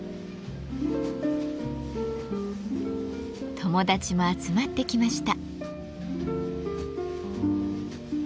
友達も集まってきました。